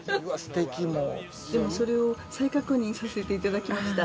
でもそれを再確認させていただきました。